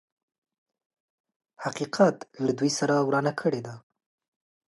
حقيقت له دوی سره ورانه کړې ده.